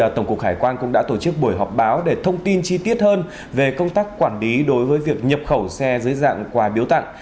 tổng cục hải quan cũng đã tổ chức buổi họp báo để thông tin chi tiết hơn về công tác quản lý đối với việc nhập khẩu xe dưới dạng quà biếu tặng